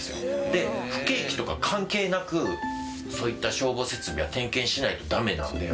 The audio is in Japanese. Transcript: で不景気とか関係なくそういった消防設備は点検しないとダメなので。